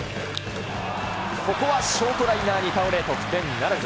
ここはショートライナーに倒れ、得点ならず。